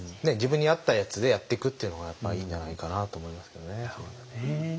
自分に合ったやつでやっていくっていうのがやっぱいいんじゃないかなあと思いますけどね。